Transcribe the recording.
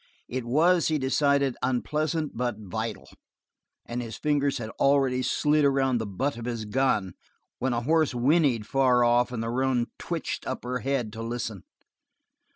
It was, he decided, unpleasant but vital, and his fingers had already slid around the butt of his gun when a horse whinnied far off and the roan twitched up her head to listen.